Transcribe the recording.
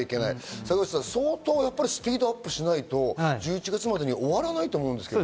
坂口さん、スピードアップしないと１１月までに終わらないと思うんですけど。